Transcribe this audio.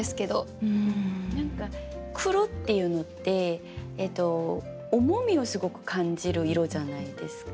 何か「黒」っていうのって重みをすごく感じる色じゃないですか。